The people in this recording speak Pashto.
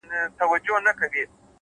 لوړ همت د وېرې دیوال نړوي.!